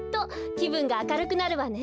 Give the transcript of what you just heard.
きぶんがあかるくなるわね。